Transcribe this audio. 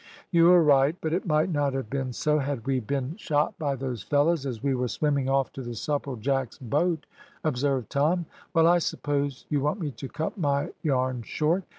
"You are right, but it might not have been so had we been shot by those fellows as we were swimming off to the Supplejack's boat," observed Tom. "Well, I suppose you want me to cut my yarn short.